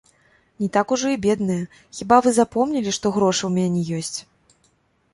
Не так ужо бедныя, хіба вы запомнілі, што грошы ў мяне ёсць?